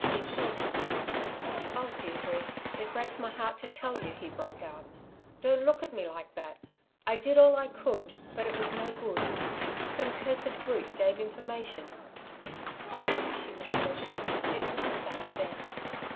"Because ... Oh, Deirdre, it breaks my heart to tell you," he broke out. "Don't look at me like that. I did all I could, but it was no good. Some cursed brute gave information " "Oh," she whispered. "It was that then!"